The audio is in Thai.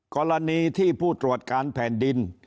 กรณีที่ผู้ตรวจการแผ่นดิน